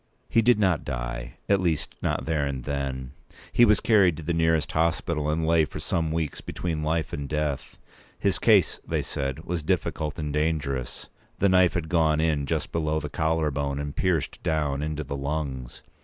He did not die—at least, not there and then. He was carried to the nearest hospital, and lay for some weeks between life and death. His case, they said, was difficult and dangerous. The knife had gone in just below the collarbone, and pierced down into the lungs.